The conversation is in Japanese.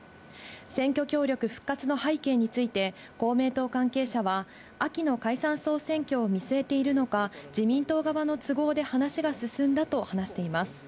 選挙協力復活の背景について、公明党関係者は、秋の解散・総選挙を見据えているのか、自民党側の都合で話が進んだと話しています。